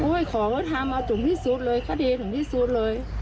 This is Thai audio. โอ้ยขอให้ถามมาจุงที่สุดเลยคดีถึงที่สุดเลย